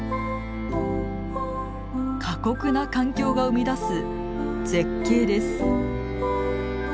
過酷な環境が生み出す絶景です。